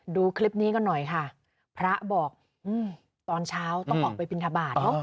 ดูคลิปนี้ก็หน่อยค่ะพระบอกตอนเช้าต้องออกไปปริ้นทะบาท